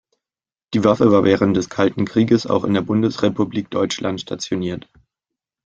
Die Waffe war während des Kalten Krieges auch in der Bundesrepublik Deutschland stationiert.